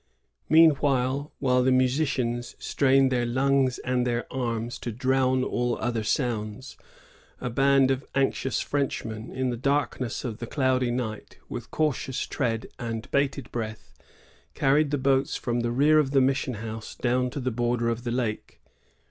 Meantime, while the musicians strained their lungs and their arms to drown all other sounds, a band of anxious Frenchmen, in the darkness of the cloudy night, with cautious tread and bated breath, carried the boats from the rear of the mission house down to the border of the lake.